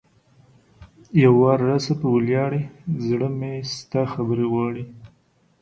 یو وار راسه په ولیاړې ـ زړه مې ستا خبرې غواړي